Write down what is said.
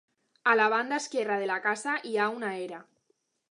A la banda esquerra de la casa hi ha una era.